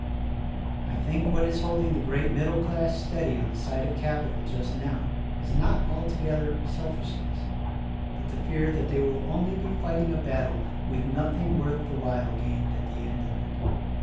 I think what is holding the great middle class steady on the side of Capital just now is not altogether selfishness, but the fear that they will only be fighting a battle with nothing worth the while gained at the end of it.